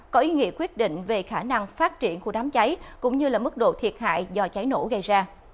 có ý nghĩa quyết định về khả năng phát triển của đám cháy cũng như mức độ thiệt hại do cháy nổ gây ra